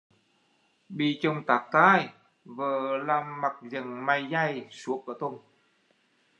Bị chồng tát tai vợ làm mặt giận mày dày suốt cả tuần